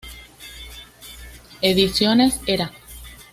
Ediciones Era.